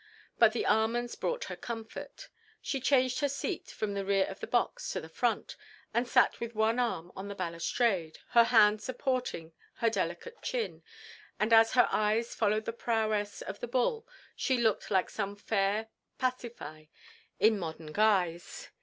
But the almonds brought her comfort. She changed her seat from the rear of the box to the front, and sat with one arm on the balustrade, her hand supporting her delicate chin, and as her eyes followed the prowess of the bull she looked like some fair Pasiphae in modern guise.